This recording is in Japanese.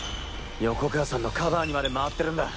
横川さんのカバーにまで回ってるんだ